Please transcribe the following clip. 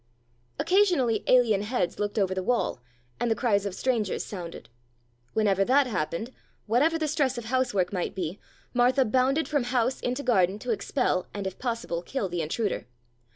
Occasionally alien heads looked over the wall, and the cries of strangers sounded. Whenever that happened, whatever the stress of housework might be, Martha bounded from house into garden to expel and, if possible, kill the intruder.